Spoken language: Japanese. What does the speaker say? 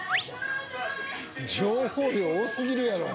情報量多過ぎるやろ。